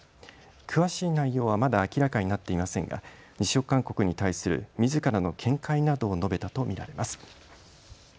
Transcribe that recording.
詳しい内容はまだ明らかになっていませんが辞職勧告に対するみずからの見解などを述べたと見られます。